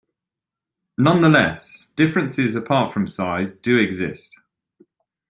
Nonetheless, differences apart from size do exist.